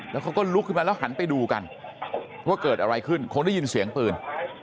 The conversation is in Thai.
แล้วเขาก็ลุกขึ้นมาแล้วหันไปดูกันว่าเกิดอะไรขึ้นคงได้ยินเสียงปืน